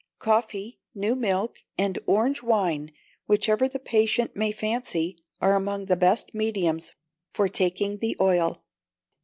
Coffee, new milk, and orange wine, whichever the patient may fancy, are among the best mediums for taking the oil.